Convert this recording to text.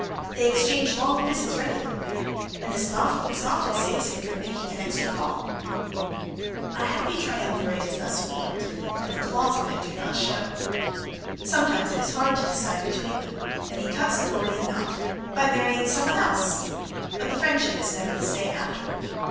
They exchange long visits regularly and this thoughtfulness often saves him from making an extra call. [Sidenote: A Happy Triumvirate] A happy triumvirate is thus formed and the claws of it do not show. Sometimes it is hard to decide between them, and he cuts the Gordian knot by marrying someone else, but the friendship is never the same afterward.